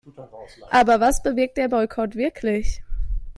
Aber was bewirkt der Boykott wirklich?